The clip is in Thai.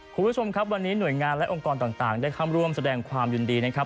คุณผู้ชมครับวันนี้หน่วยงานและองค์กรต่างได้เข้าร่วมแสดงความยินดีนะครับ